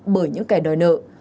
bởi những kẻ đòi nợ